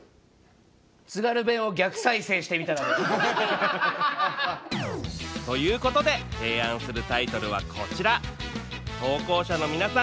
「津軽弁を逆再生してみたら？」で。ということで提案するタイトルはこちら投稿者の皆さん